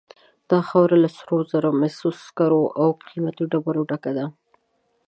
دا خاوره له سرو زرو، مسو، سکرو او قیمتي ډبرو ډکه ده.